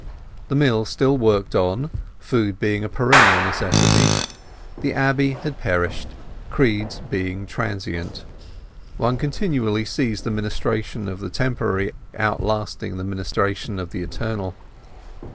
The mill still worked on, food being a perennial necessity; the abbey had perished, creeds being transient. One continually sees the ministration of the temporary outlasting the ministration of the eternal.